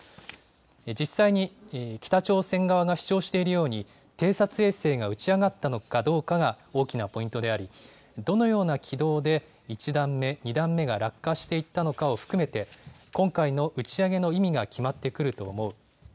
実際に北朝鮮側が主張しているように、偵察衛星が打ち上がったのかどうかが大きなポイントであり、どのような軌道で１段目、２段目が落下していったのかを含めて、今回の打ち上げの意味が決まってくると思う。